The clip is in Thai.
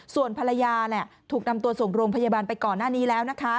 ส่วนภรรยาถูกนำตัวส่งโรงพยาบาลไปก่อนหน้านี้แล้วนะคะ